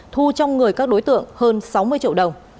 thu trong người các đối tượng hơn sáu mươi triệu đồng